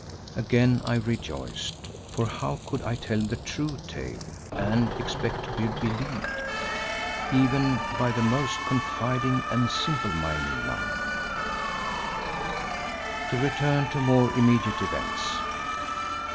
Again I rejoiced, for how could I tell the true tale and expect to be believed, even by the most confiding and simple minded nun? To return to more immediate events.